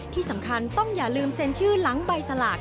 ที่สำคัญต้องอย่าลืมเซ็นชื่อหลังใบสลาก